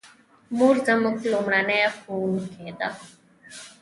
مور زموږ لومړنۍ ښوونکې ده